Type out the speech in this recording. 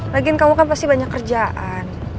lagiin kamu kan pasti banyak kerjaan